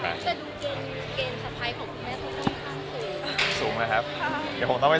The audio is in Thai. เชื่อถุเกลงรองเลขาภัยของคุณแม่